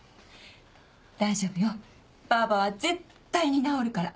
大丈夫よばあばは絶対に治るから。